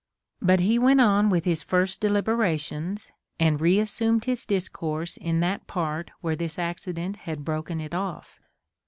But he went on with his first deliberations, and re assumed his discourse 334: CONSOLATION TO APOLLONIUS. in that part where this accident had broken it off.